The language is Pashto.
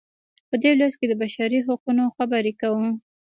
په دې لوست کې د بشري حقونو خبرې کوو.